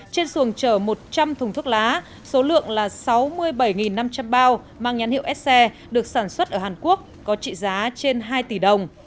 trên xuồng chở một trăm linh thùng thuốc lá số lượng là sáu mươi bảy năm trăm linh bao mang nhắn hiệu sc được sản xuất ở hàn quốc có trị giá trên hai tỷ đồng